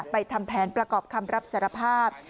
ทำแผนประกอบคำรับสารภาพ